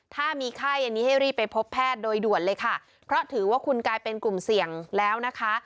ถ้ามีไข้อันนี้ให้รีบไปพบแพทย์โดยด่วนเลยค่ะเพราะถือว่าคุณกลายเป็นกลุ่มเสี่ยงแล้วนะคะ